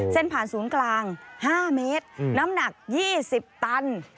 ผ่านศูนย์กลาง๕เมตรน้ำหนัก๒๐ตัน